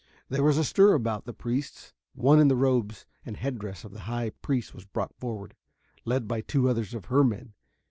There was a stir about the priests. One in the robes and head dress of the high priest was brought forward, led by two others of her men.